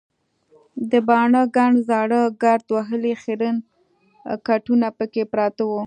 د باڼه ګڼ زاړه ګرد وهلي خیرن کټونه پکې پراته وو.